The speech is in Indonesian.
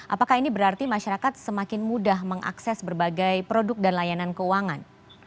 apakah ini berarti masyarakat semakin mudah mengakses berbagai produk dan layanan keuangan